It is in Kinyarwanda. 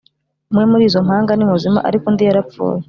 umwe muri izo mpanga ni muzima, ariko undi yarapfuye.